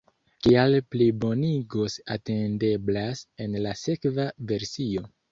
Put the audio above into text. Kiaj plibonigoj atendeblas en la sekva versio?